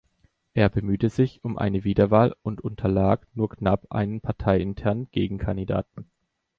Er bemühte sich um eine Wiederwahl und unterlag nur knapp einem parteiinternen Gegenkandidaten.